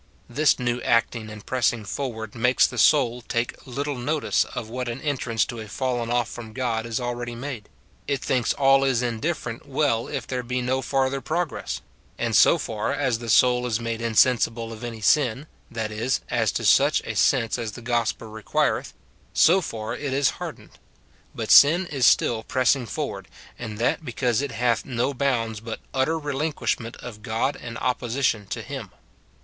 This new acting and pressing forward makes the soul take little notice of what an entrance to a falling oflf from God is already made ; it thinks all is indifferent well if there be no farther pro gress ; and so far as the soul is made insensible of any sin, — that is, as to such a sense as the gospel requireth, — so far it is hardened : but sin is still pressing forward, and that because it hath no bounds but utter relinquish ment of God and opposition to him.